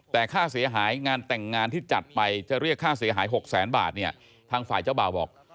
แต่ค่าเสียหายงานแต่งงานที่จัดไปจะเรียกค่าเสียหาย๖แสนบาทเนี่ยทางฝ่ายเจ้าบ่าวบอก